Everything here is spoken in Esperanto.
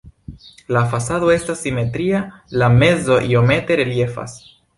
La fasado estas simetria, la mezo iomete reliefas.